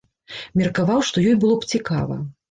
Меркаваў, што ёй было б цікава.